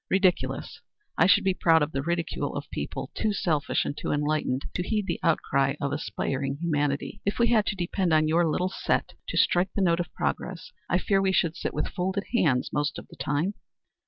Ridiculous? I should be proud of the ridicule of people too selfish or too unenlightened to heed the outcry of aspiring humanity. If we had to depend on your little set to strike the note of progress, I fear we should sit with folded hands most of the time."